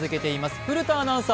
古田アナウンサー